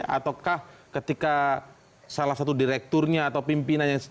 ataukah ketika salah satu direkturnya atau pimpinannya